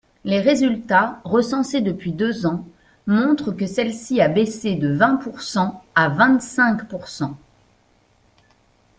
Les résultats, recensés depuis deux ans, montrent que celle-ci a baissé de vingtpourcent à vingt-cinqpourcent.